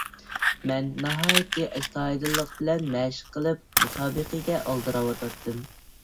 مەن ناھايىتى ئەستايىدىللىق بىلەن مەشىق قىلىپ، مۇسابىقىگە ئالدىراۋاتاتتىم.